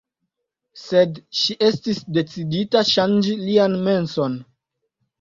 Sed ŝi estis decidita ŝanĝi lian menson.